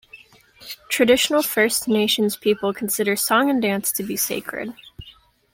Traditional First Nations people consider song and dance to be sacred.